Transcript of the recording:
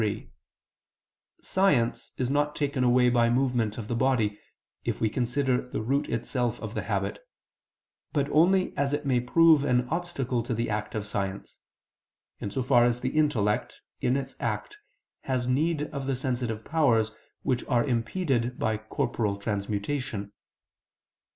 3: Science is not taken away by movement of the body, if we consider the root itself of the habit, but only as it may prove an obstacle to the act of science; in so far as the intellect, in its act, has need of the sensitive powers, which are impeded by corporal transmutation.